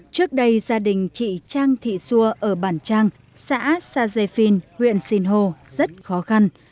trước đây gia đình chị trang thị xua ở bản trang xã sa dê phiên huyện sinh hồ rất khó khăn